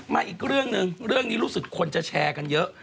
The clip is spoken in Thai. อีกเรื่องหนึ่งเรื่องนี้รู้สึกคนจะแชร์กันเยอะ